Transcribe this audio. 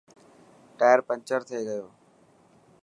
ٽائر پنچر ٿي گيو.